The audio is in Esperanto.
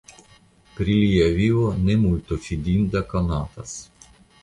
Pri lia vivo ne multo fidinda konatas.